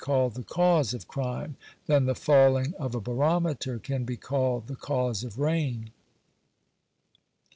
called the cause of crime than the falling of a barometer can be called the cause of rain.